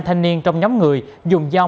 thanh niên trong nhóm người dùng dao